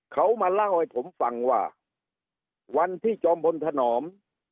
เขามาเล่าให้ผมฟังว่าวันที่จอมพลถนอม